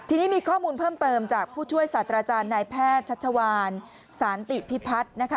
ทีนี้มีข้อมูลเพิ่มจากผู้ช่วยสัตว์อาจารย์ในแพทย์ชัชวารสานติพิพัฒน์